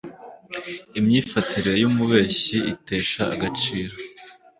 imyifatire y'umubeshyi itesha agaciro